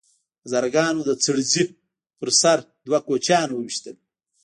هزاره ګانو د څړ ځای په سر دوه کوچیان وويشتل